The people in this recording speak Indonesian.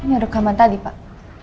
ini rekaman tadi pak